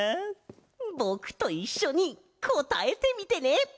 ぼくといっしょにこたえてみてね！